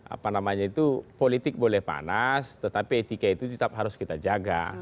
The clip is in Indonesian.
apa namanya itu politik boleh panas tetapi etika itu tetap harus kita jaga